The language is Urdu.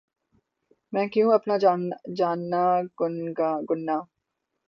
مَیں کیوں اپنی جاننا گننا